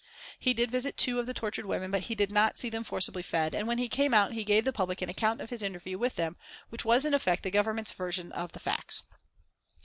He did visit two of the tortured women, but he did not see them forcibly fed, and when he came out he gave the public an account of his interview with them which was in effect the Government's version of the facts.